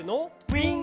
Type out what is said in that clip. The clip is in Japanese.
「ウィン！」